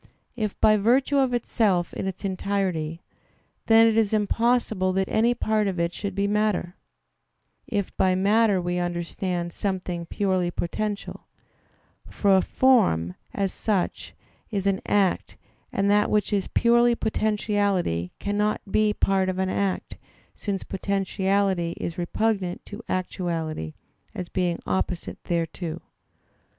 If by virtue of itself in its entirety, then it is impossible that any part of it should be matter, if by matter we understand something purely potential: for a form, as such, is an act; and that which is purely potentiality cannot be part of an act, since potentiality is repugnant to actuality as being opposite thereto.